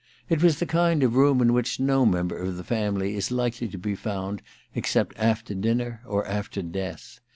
It was the kind of room in which no member of the family is likely to be found except after dinner or after death.